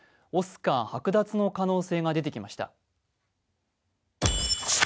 オスカー剥奪の可能性が出てきました。